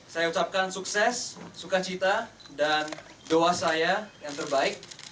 saya ucapkan sukses sukacita dan doa saya yang terbaik